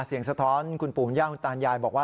เสียงสะท้อนคุณปูงย่างคุณตานยายบอกว่า